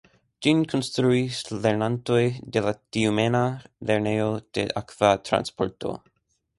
Ĝin konstruis lernantoj de la Tjumena Lernejo de Akva Transporto.